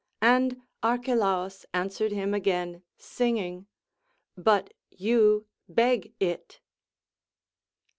And Archelaus answered him again singing, But you beg it.